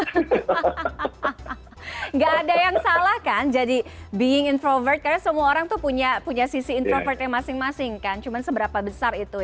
enggak ada yang salah kan jadi being introvert karena semua orang tuh punya sisi introvert yang masing masing kan cuma seberapa besar itu ya